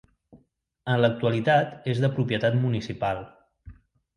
En l'actualitat és de propietat municipal.